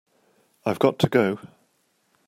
I've got to go.